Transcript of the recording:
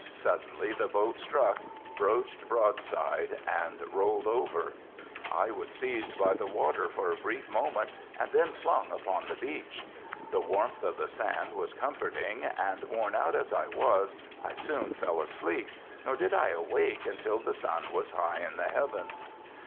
Suddenly the boat struck, broached broadside and rolled over. I was seized by the waters for a brief moment and then flung upon the beach. The warmth of the sand was comforting, and worn out as I was, I soon fell asleep, nor did I awake until the sun was high in the heavens.